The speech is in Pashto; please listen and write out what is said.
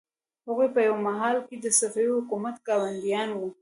هغوی په یوه مهال کې د صفوي حکومت ګاونډیان وو.